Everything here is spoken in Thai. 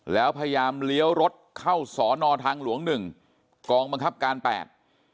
แล้วพยายามเลี้ยวรถเข้าสอนอทางหลวงหนึ่งกองบังคับการแปด